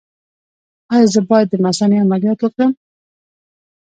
ایا زه باید د مثانې عملیات وکړم؟